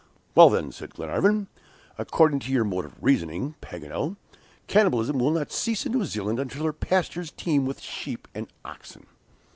"Well, then," said Glenarvan, "according to your mode of reasoning, Paganel, cannibalism will not cease in New Zealand until her pastures teem with sheep and oxen."